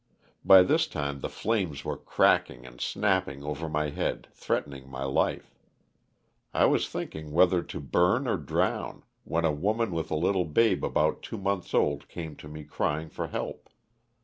By this time the flames were cracking and snapping over my head, threatening ray life. I was thinking whether to burn or drown, when a woman with a little babe about two months old came to me crying for help.